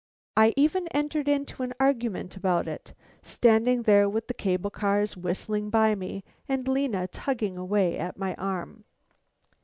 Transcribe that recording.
I even entered into an argument about it, standing there with the cable cars whistling by me and Lena tugging away at my arm.